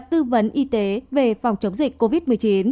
tư vấn y tế về phòng chống dịch covid một mươi chín